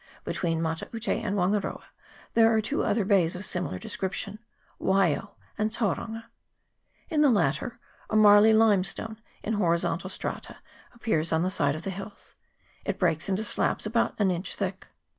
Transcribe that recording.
Between Mataute and Wangaroa there are two other bays of similar description Waio and Tau ranga. In the latter, a marly limestone in horizontal strata appears on the side of the hills ; it breaks into slabs about an inch thick.